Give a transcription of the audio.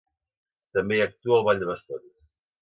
També hi actua el ball de bastons.